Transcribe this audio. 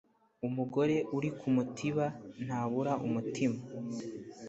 umugore uri ku mutiba ntabura umutima